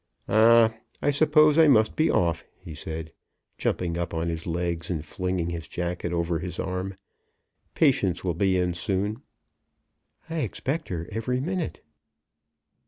"Ah; I suppose I must be off," he said, jumping up on his legs, and flinging his jacket over his arm. "Patience will be in soon." "I expect her every minute."